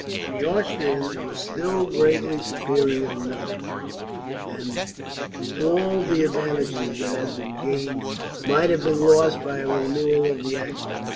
The Austrians were still greatly superior in numbers, and all the advantages that had been gained might have been lost by a renewal of the action.